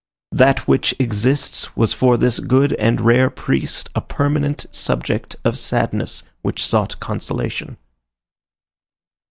That which exists was for this good and rare priest a permanent subject of sadness which sought consolation.